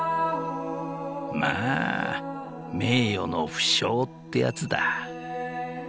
［まあ名誉の負傷ってやつだ］